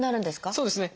そうですね。